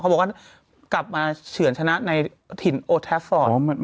บอกว่ากลับมาเฉือนชนะในถิ่นโอแทฟอร์ต